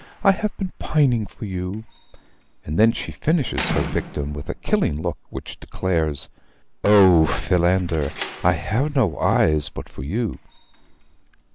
I have been pining for you:' and then she finishes her victim with a killing look, which declares: 'O Philander! I have no eyes but for you.'